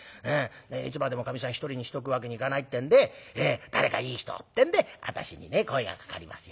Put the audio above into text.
いつまでもかみさん一人にしとくわけにいかないってんで誰かいい人をってんで私にね声がかかりますよ。